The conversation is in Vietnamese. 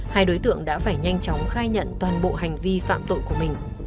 hai đối tượng đã phải nhanh chóng khai nhận toàn bộ hành vi phạm tội của mình